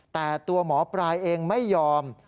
แต่ตัวหมอปลายเองไม่ยอม